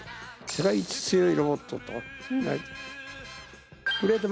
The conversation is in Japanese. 世界一強いロボットと。